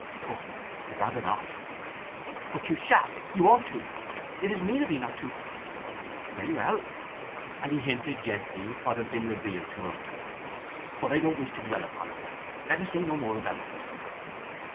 "Pooh—I'd rather not." "But you shall—you ought to. It is mean of 'ee not to!" "Very well." And he hinted gently what had been revealed to him. "But I don't wish to dwell upon it. Let us say no more about it."